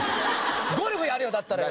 ゴルフやれよだったらよ